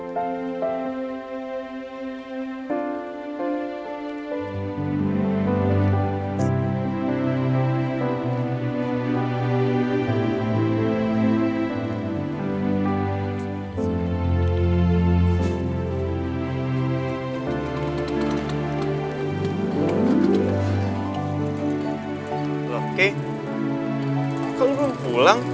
kok lo belum pulang